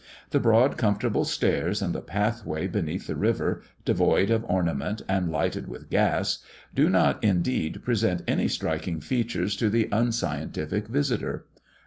The broad comfortable stairs and the pathway beneath the river, devoid of ornament and lighted with gas, do not indeed present any striking features to the unscientific visitor.